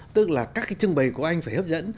tức là các cái trưng bày của anh phải hấp dẫn